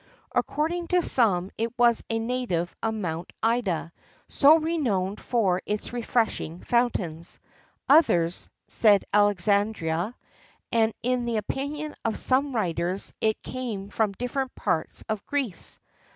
According to some it was a native of Mount Ida, so renowned for its refreshing fountains; others said Alexandria; and in the opinion of some writers it came from different parts of Greece.